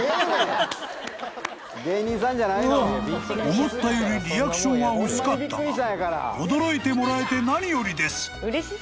［思ったよりリアクションは薄かったが驚いてもらえて何よりです］